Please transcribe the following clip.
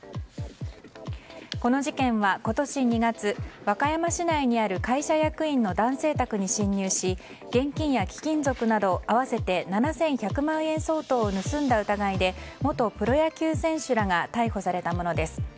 この事件は、今年２月和歌山市内にある会社役員の男性宅に侵入し現金や貴金属など合わせて７１００万円相当を盗んだ疑いで元プロ野球選手らが逮捕されたものです。